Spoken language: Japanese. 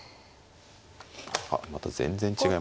あっまた全然違いましたね。